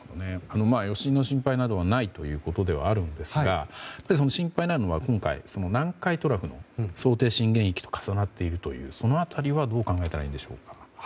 余震の心配などはないということではあるんですが心配なのが、今回南海トラフの想定震源域と重なっているというその辺りはどう考えたらいいでしょうか。